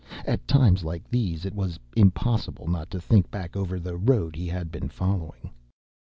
At times like these, it was impossible not to think back over the road he had been following.